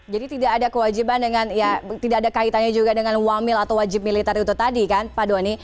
jadi tidak ada kaitannya juga dengan wamil atau wajib militer itu tadi kan pak doni